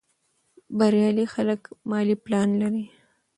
بریالي خلک مالي پلان لري.